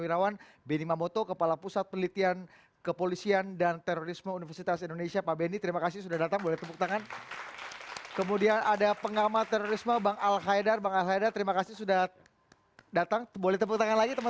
kita akan membahas peristiwa ini dari sisi politik dan terorisme usajeda